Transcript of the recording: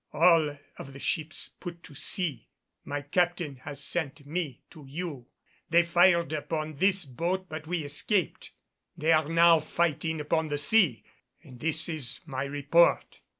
All of the ships put to sea. My Captain has sent me to you. They fired upon this boat but we escaped. They are now fighting upon the sea and this is my report."